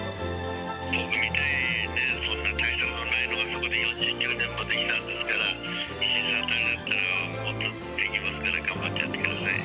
僕みたいにそんな大したことないのがそこで４９年もできたんですから、石井さんだったらもっとできますから、頑張ってやってください。